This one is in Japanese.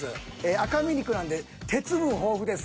赤身肉なんで鉄分豊富です。